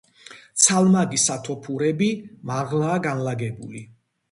ცალმაგი სათოფურები მაღლაა განლაგებული.